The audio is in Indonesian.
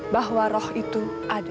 bahwa roh itu ada